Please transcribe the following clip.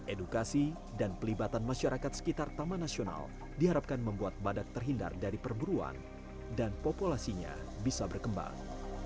edukasi dan pelibatan masyarakat sekitar taman nasional diharapkan membuat badak terhindar dari perburuan dan populasinya bisa berkembang